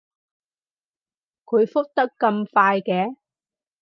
佢覆得咁快嘅